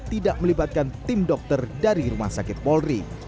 tidak melibatkan tim dokter dari rumah sakit polri